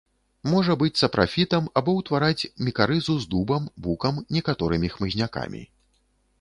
Можа быць сапрафітам або ўтвараць мікарызу з дубам, букам, некаторымі хмызнякамі.